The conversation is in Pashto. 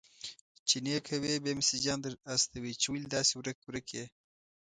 چي نې کوې، بيا مسېجونه در استوي چي ولي داسي ورک-ورک يې؟!